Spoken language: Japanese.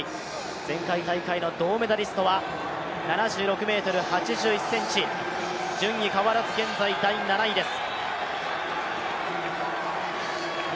前回大会の銅メダリストは７６ｍ８１ｃｍ、順位変わらず現在第７位です。